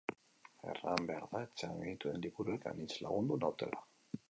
Erran behar da etxean genituen liburuek anitz lagundu nautela.